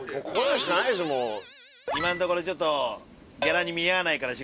今んところちょっと。